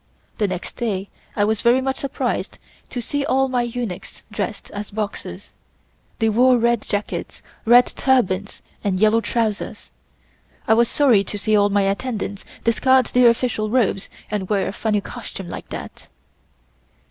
The next day I was very much surprised to see all my eunuchs dressed as Boxers. They wore red jackets, red turbans and yellow trousers. I was sorry to see all my attendants discard their official robes and wear a funny costume like that.